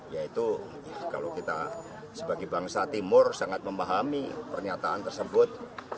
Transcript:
yaitu kalau kita sebagai bangsa timur sangat memahami pernyataan tersebut